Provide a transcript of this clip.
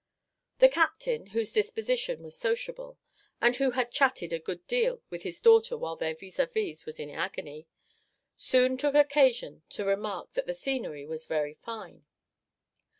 The captain, whose disposition was sociable, and who had chatted a good deal with his daughter while their vis a vis was in his agony, soon took occasion to remark that the scenery was very fine.